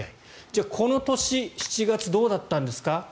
じゃあ、この年７月どうだったんですか。